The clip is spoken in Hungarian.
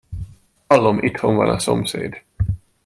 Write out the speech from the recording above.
Hallom, itthon van a szomszéd.